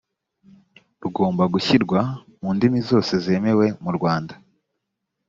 rugomba gushyirwa mu ndimi zose zemewe murwanda